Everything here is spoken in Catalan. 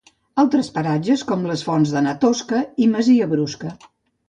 Altres paratges com les Fonts de Na Tosca i Masia Brusca